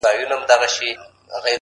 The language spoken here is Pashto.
چي تلاوت وي ورته خاندي؛ موسيقۍ ته ژاړي؛